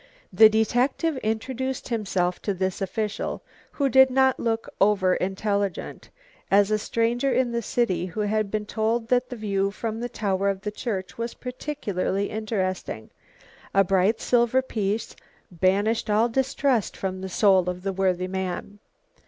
The detective introduced himself to this official, who did not look over intelligent, as a stranger in the city who had been told that the view from the tower of the church was particularly interesting. A bright silver piece banished all distrust from the soul of the worthy man.